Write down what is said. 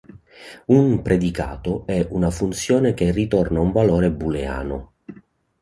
Un "predicato" è una funzione che ritorna un valore booleano.